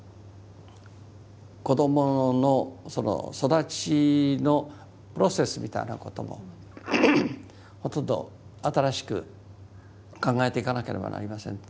子どもの育ちのプロセスみたいなこともほとんど新しく考えていかなければなりません。